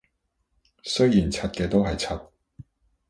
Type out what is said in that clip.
雖然柒嘅都係柒